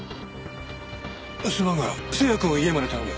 すまんが星也くんを家まで頼む。